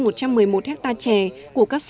trên một trăm một mươi một hectare chè của các sông